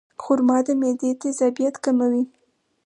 خرما د معدې تیزابیت کموي.